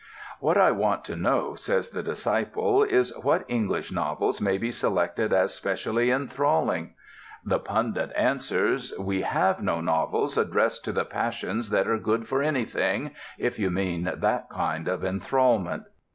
"What I want to know," says the disciple, "is, what English novels may be selected as specially enthralling." The pundit answers: "We have no novels addressed to the passions that are good for anything, if you mean that kind of enthralment."